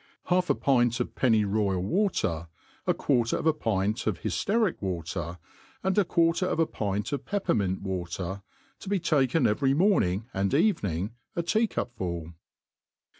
Haifa pint of pennyroyal water, a quarter of a pint of hy ileric water, and a quarter of a pint of pepper mint water ; to^ be taken every morning and evening, a tea^'Cup full.